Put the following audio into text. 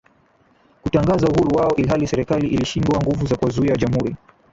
kutangaza uhuru wao ilhali serikali ilishindwa nguvu ya kuwazuia jamhuri